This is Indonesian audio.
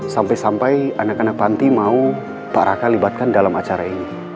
sampai sampai anak anak panti mau pak raka libatkan dalam acara ini